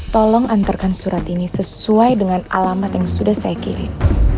tolong antarkan surat ini sesuai dengan alamat yang sudah saya kirim